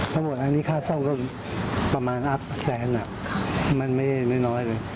ทั้งหมดอันนี้ค่าซ่องก็ประมาณอับแสนอ่ะค่ะมันไม่น้อยน้อยเลย